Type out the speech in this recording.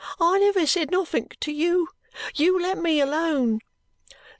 I never said nothink to you. You let me alone."